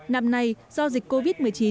năm nay do dịch covid một mươi chín